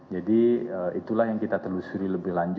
jadi itulah yang kita telusuri lebih lanjut